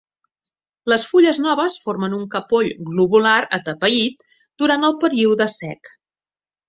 Les fulles noves formen un capoll globular atapeït durant el període sec.